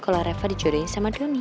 kalau reva dicuruhin sama doni